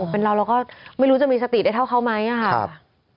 เป็นเราเราก็ไม่รู้จะมีสติได้เท่าเขาไหมค่ะ